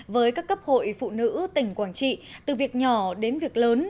với các cấp hội phụ nữ tỉnh quảng trị từ việc nhỏ đến việc lớn